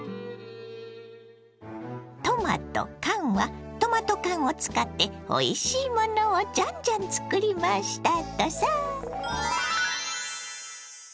トマとカンはトマト缶を使っておいしいものをジャンジャン作りましたとさ。